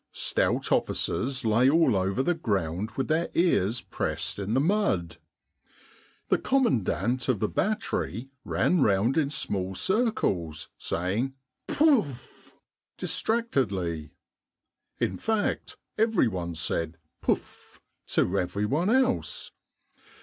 Stout officers lay all over the ground with their ears pressed in the mud. The commandant of the battery ran round in small circles say ing Pouff ! distractedly. In fact every one said Pouff ! to every one else.